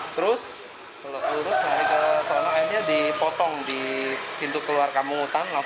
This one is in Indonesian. terus lurus lari ke sana akhirnya dipotong di pintu keluar kampung hutan